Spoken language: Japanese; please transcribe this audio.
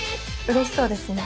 うれしそうですね。